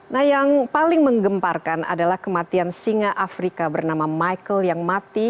nah yang paling menggemparkan adalah kematian singa afrika bernama michael yang mati